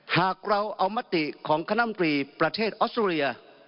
หากเราเอามติของคณะมตรีประเทศออสเตรเลีย